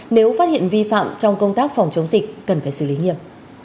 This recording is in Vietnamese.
nếu phát hiện vi phạm trong công tác phòng chống dịch cần phải xử lý nghiệp